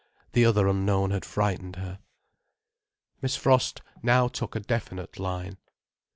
The other unknown had frightened her. Miss Frost now took a definite line.